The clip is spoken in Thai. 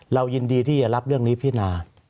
เรายินดีที่จะรับเรื่องนี้พินา